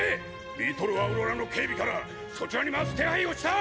リトルアウロラの警備からそちらに回す手配をした！